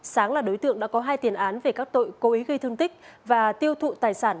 sáng là đối tượng đã có hai tiền án về các tội cố ý gây thương tích và tiêu thụ tài sản